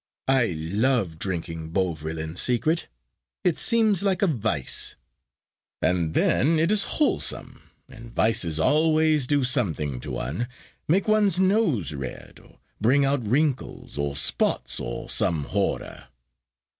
I love drinking Bovril in secret. It seems like a vice. And then it is wholesome, and vices always do something to one make one's nose red, or bring out wrinkles, or spots, or some horror.